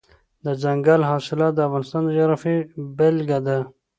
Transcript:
دځنګل حاصلات د افغانستان د جغرافیې بېلګه ده.